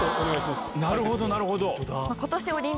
なるほどなるほど。